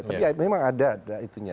tapi memang ada itunya